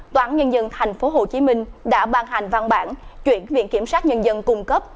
tòa án nhân dân tp hcm đã ban hành văn bản chuyển viện kiểm sát nhân dân cung cấp